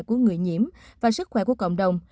của người nhiễm và sức khỏe của cộng đồng